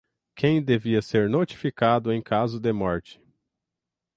quem devia ser notificado em caso de morte